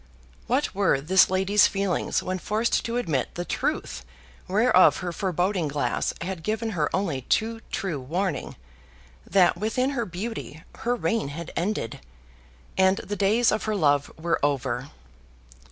What were this lady's feelings when forced to admit the truth whereof her foreboding glass had given her only too true warning, that within her beauty her reign had ended, and the days of her love were over?